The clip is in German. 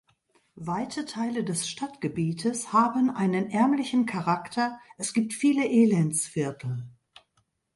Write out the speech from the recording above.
Weite Teile des Stadtgebietes haben einen ärmlichen Charakter, es gibt viele Elendsviertel.